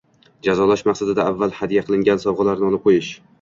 Jazolash maqsadida avval hadya qilingan sovg‘alarni olib qo‘yish